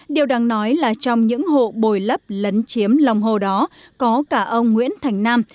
điều đáng nói là trong những hộ bồi lấp lấn chiếm lòng hồ đó có cả ông nguyễn thành nam